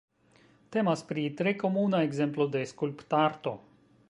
Temas pri tre komuna ekzemplo de skulptarto.